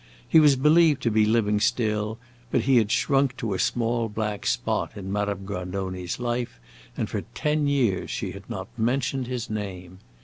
He was believed to be living still, but he had shrunk to a small black spot in Madame Grandoni's life, and for ten years she had not mentioned his name.